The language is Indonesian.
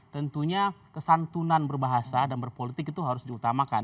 tentunya kesantunan berbahasa dan berpolitik itu harus diutamakan